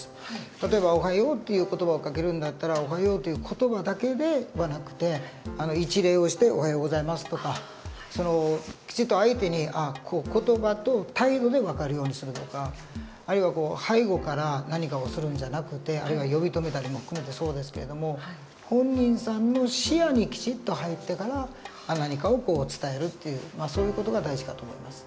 例えば「おはよう」っていう言葉をかけるんだったら「おはよう」っていう言葉だけではなくて一礼をして「おはようございます」とかきちっと相手に言葉と態度で分かるようにするとかあるいは背後から何かをするんじゃなくてあるいは呼び止めたりも含めてそうですけれども本人さんの視野にきちっと入ってから何かを伝えるっていうそういう事が大事かと思います。